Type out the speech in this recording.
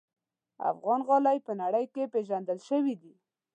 افغان غالۍ په نړۍ کې پېژندل شوي دي.